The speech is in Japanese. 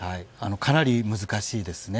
かなり難しいですね。